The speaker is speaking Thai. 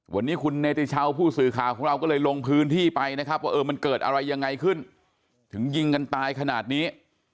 วันนี้คุณเนติชาวผู้สื่อข่าวของเราก็เลยลงพื้นที่ไปนะครับว่าเออมันเกิดอะไรยังไงขึ้นถึงยิงกันตายขนาดนี้